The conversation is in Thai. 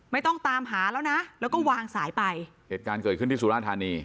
ไม่ต้องตามหาแล้วนะแล้วก็วางสายไปเหตุการณ์เกิดขึ้นที่สุราธานี